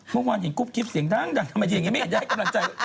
เมื่อวานเห็นกุ๊บกิ๊บเสียงดังทำไมจะอย่างนี้ไม่เห็นได้กำลังใจ